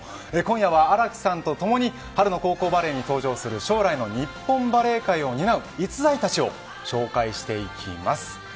今回は荒木さんとともに春の高校バレーに登場する将来の日本バレー界を担う逸材たちを紹介していきます。